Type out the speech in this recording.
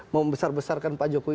membesar besarkan pak jokowi